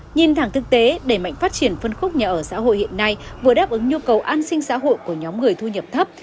nhìn thẳng thực tế đẩy mạnh phát triển phân khúc nhà ở xã hội hiện nay vừa đáp ứng nhu cầu an sinh xã hội của nhóm người thu nhập thấp